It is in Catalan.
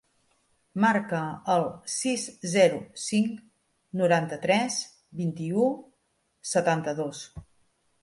Marca el sis, zero, cinc, noranta-tres, vint-i-u, setanta-dos.